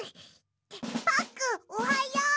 パックンおはよう！